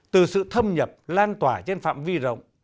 từ sự thâm nhập lan tỏa trên phạm vi rộng